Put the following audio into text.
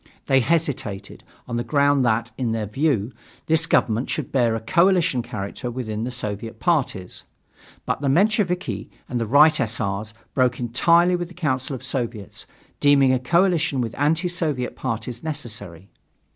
They hesitated, on the ground that, in their view, this government should bear a coalition character within the Soviet parties. But the Mensheviki and the Right S. R.'s broke entirely with the Council of Soviets, deeming a coalition with anti Soviet parties necessary.